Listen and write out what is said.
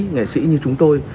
nghệ sĩ như chúng tôi